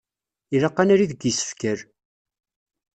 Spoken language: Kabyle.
Ilaq ad nali deg isefkal.